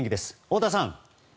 太田さん。